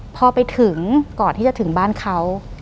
พอไปถึงก่อนที่จะถึงบ้านเขา